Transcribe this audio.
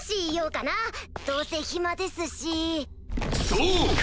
そうか！